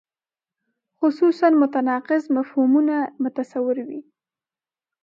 خصوصاً متناقض مفهومونه متصور وي.